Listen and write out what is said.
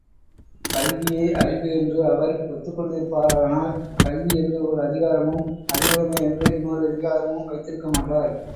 கல்வியே அறிவு என்று அவர் ஒத்துக்கொண்டிருப்பாரானால், கல்வி என்று ஒர் அதிகாரமும் அறிவுடைமை என்று இன்னோரதிகாரமும் வைத்திருக்கமாட்டார்.